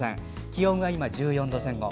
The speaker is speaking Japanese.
気温が１４度前後。